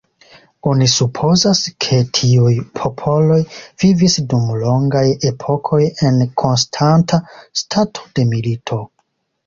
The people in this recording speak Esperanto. Oni supozas, ke tiuj popoloj vivis dum longaj epokoj en konstanta stato de milito.